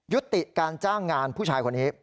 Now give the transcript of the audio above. ยุติการจ้างงานผู้ชายคนนี้